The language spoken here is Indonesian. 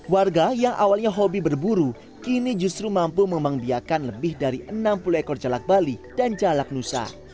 warga yang awalnya hobi berburu kini justru mampu mengembang biakan lebih dari enam puluh ekor jalak bali dan jalak nusa